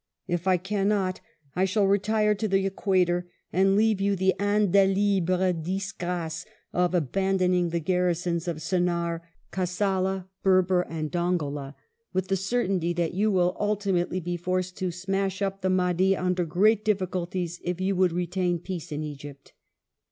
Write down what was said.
If I cannot, I shall retire to the Equator and leave you the indelible disgrace of abandoning the garrisons of Sennaar, Kassala, Berber, and Dongola, with the certainty that you will ultimately be forced to smash up the Madhi under great difficulties if you would retain peace in Egypt."